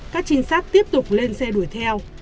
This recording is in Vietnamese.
các trinh sát tiếp tục lên xe đuổi theo